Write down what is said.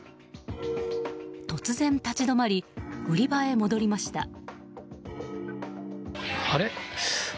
突然、立ち止まり売り場へ戻りました。